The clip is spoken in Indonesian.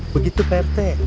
begitu pak rt